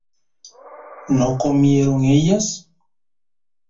¿No comieron ellas?